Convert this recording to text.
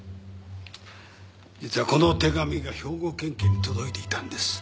実はこの手紙が兵庫県警に届いていたんです。